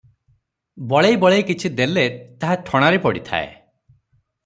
ବଳେଇ ବଳେଇ କିଛି ଦେଲେ ତାହା ଠଣାରେ ପଡ଼ିଥାଏ ।